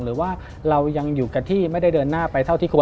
หรือว่าเรายังอยู่กับที่ไม่ได้เดินหน้าไปเท่าที่ควร